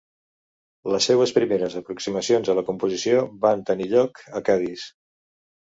Les seues primeres aproximacions a la composició van tenir lloc a Cadis.